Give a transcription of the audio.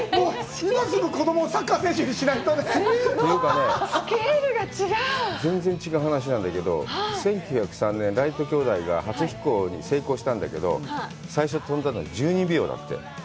今すぐ子供をサッカー選手にしないとね。というかね、全然違う話なんだけど、１９０３年、ライト兄弟が初飛行に成功したんだけど、最初飛んだの１２秒だって。